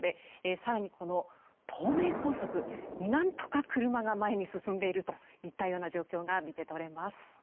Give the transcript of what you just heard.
更にこの東名高速なんとか車が前に進んでいるといったような状況が見て取れます。